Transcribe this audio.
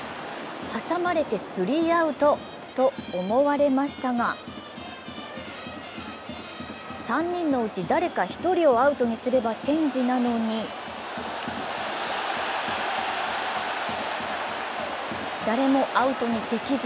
挟まれてスリーアウトと思われましたが、３人のうち誰か１人をアウトにすればチェンジなのに誰もアウトにできず。